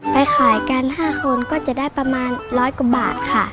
ไปขายกัน๕คนก็จะได้ประมาณ๑๐๐กว่าบาทค่ะ